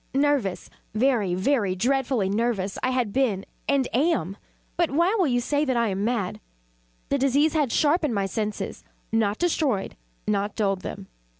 nervous very, very dreadfully nervous I had been and am; but why will you say that I am mad? The disease had sharpened my senses not destroyed not dulled them.